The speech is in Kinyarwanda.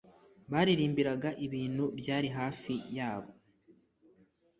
Baririmbaga ibintu byari hafi yabo